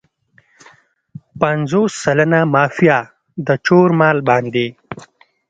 پنځوس سلنه مافیا د چور مال باندې.